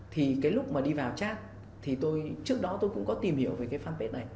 thì cái lúc mà đi vào chat thì tôi trước đó tôi cũng có tìm hiểu về cái fanpage này